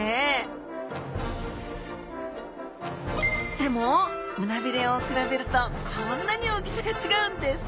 でも胸びれを比べるとこんなに大きさが違うんです。